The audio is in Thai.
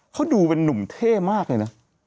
เขาดูเป็นหนุ่มเท่มากเห็นไหม